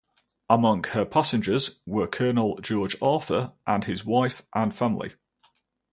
Among her passengers were Colonel George Arthur and his wife and family.